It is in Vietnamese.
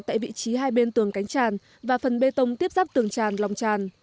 tại vị trí hai bên tường cánh tràn và phần bê tông tiếp giáp tường tràn lòng tràn